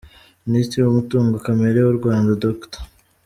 Minisitiri w’Umutungo Kamere w’u Rwanda, Dr.